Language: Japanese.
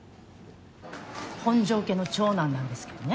本城家の長男なんですけどね